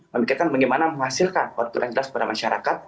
memikirkan bagaimana menghasilkan waktu elit daripada masyarakat